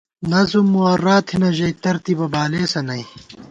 نظم معرّی تھنہ ژَئی ترتیبہ بالېسہ نئ